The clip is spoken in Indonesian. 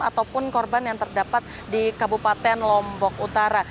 ataupun korban yang terdapat di kabupaten lombok utara